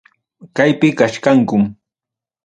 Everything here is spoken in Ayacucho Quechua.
Kaypim kachkanku.